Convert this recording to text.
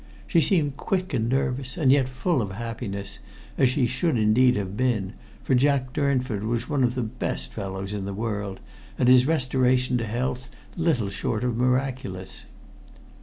She seemed quick and nervous and yet full of happiness, as she should indeed have been, for Jack Durnford was one of the best fellows in the world, and his restoration to health little short of miraculous.